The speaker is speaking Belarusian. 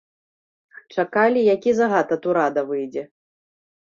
Чакалі, які загад ад урада выйдзе.